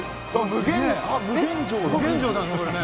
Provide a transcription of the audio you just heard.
無限城だねこれね。